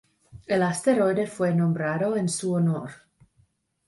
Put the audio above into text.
El asteroide fue nombrado en su honor.